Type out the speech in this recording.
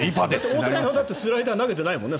大谷さんだってスライダー投げてないもんね